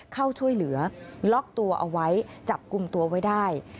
เข้าช่วยเหลือล็อกตัวเอาไว้จับกลุ่มตัวไว้ได้